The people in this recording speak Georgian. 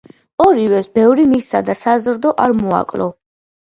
ორივეს ბევრი მისცა და საზრდო არ მოაკლო